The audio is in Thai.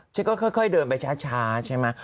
ฉันก็ค่อยเดินไปช้าใช่ไหม